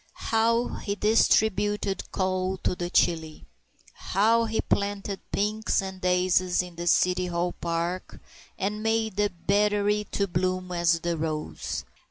How he distributed coal to the chilly! How he planted pinks and daisies in the City Hall Park, and made the Battery to bloom as the rose!